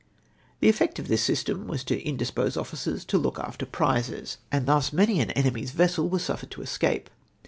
The effect of this system was to indispose officers to look after prizes, and thus many an enemy's vessel w^as suffered to escape.